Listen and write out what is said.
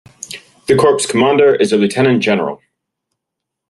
The corps commander is a lieutenant general.